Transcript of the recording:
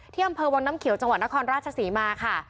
อำเภอวังน้ำเขียวจังหวัดนครราชศรีมาค่ะ